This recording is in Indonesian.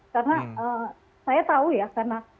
karena saya tahu ya karena